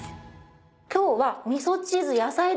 今日は。